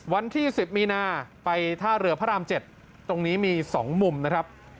วันที่๑๐มีนาไปท่าเรือพระราม๗ตรงนี้มี๒มุมนะครับ